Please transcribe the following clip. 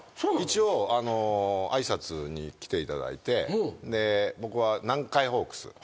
一応挨拶に来ていただいて僕は南海ホークス。